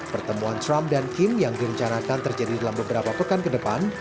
pertemuan trump dan kim yang direncanakan terjadi dalam beberapa pekan ke depan